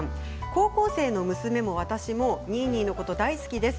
高校生の娘も私もニーニーのこと大好きです。